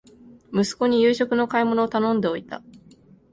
息子に夕食の買い物を頼んでおいた